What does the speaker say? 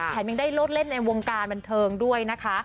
ยังได้โลดเล่นในวงการบันเทิงด้วยนะคะ